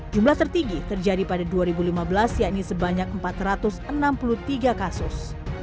jumlah tertinggi terjadi pada dua ribu lima belas yakni sebanyak empat ratus enam puluh tiga kasus